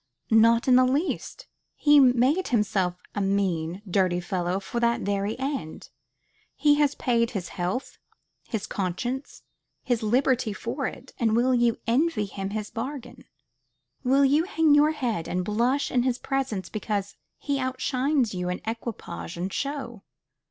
Not in the least. He made himself a mean, dirty fellow for that very end. He has paid his health, his conscience, his liberty, for it; and will you envy him his bargain? Will you hang your head and blush in his presence because he outshines you in equipage and show?